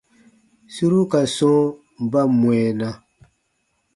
Suru ka sɔ̃ɔ ba mwɛɛna.